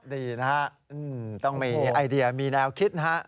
ดีนะฮะต้องมีไอเดียมีแนวคิดนะฮะ